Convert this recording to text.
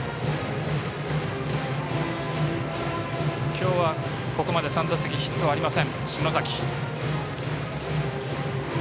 今日はここまで３打席ヒットはありません篠崎。